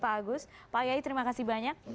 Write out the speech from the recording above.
pak agus pak yai terima kasih banyak